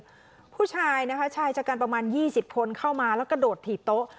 อีกคนหนึ่งผู้ชายนะคะชายจัดการประมาณยี่สิบคนเข้ามาแล้วก็โดดถี่โต๊ะ